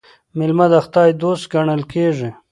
مېلمه د خداى دوست ګڼل کېږي.